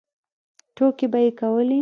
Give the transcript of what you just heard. ټوکې به یې کولې.